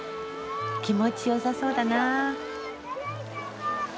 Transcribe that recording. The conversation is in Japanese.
気持ちよさそうだな。